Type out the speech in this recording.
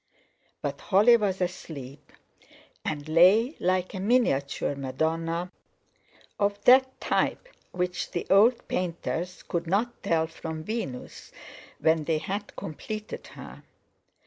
But Holly was asleep, and lay like a miniature Madonna, of that type which the old painters could not tell from Venus, when they had completed her.